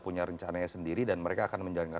punya rencananya sendiri dan mereka akan menjalankan